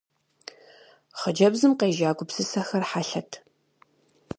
Хъыджэбзым къежа гупсысэхэр хьэлъэт.